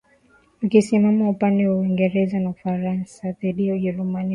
ukisimama upande wa Uingereza na Ufaransa dhidi ya Ujerumani na Austria